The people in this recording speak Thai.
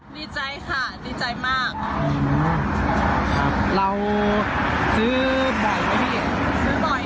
ดีใจค่ะดีใจมากครับเราซื้อบ่อยไหมพี่